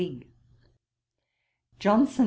JOHNSON.